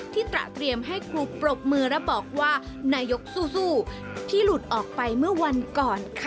ตระเตรียมให้ครูปรบมือและบอกว่านายกสู้ที่หลุดออกไปเมื่อวันก่อนค่ะ